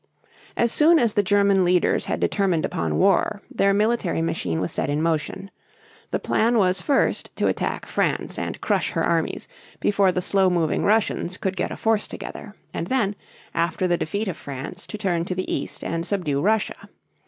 As soon as the German leaders had determined upon war, their military machine was set in motion. The plan was first to attack France and crush her armies before the slow moving Russians could get a force together; and then, after the defeat of France, to turn to the east and subdue Russia.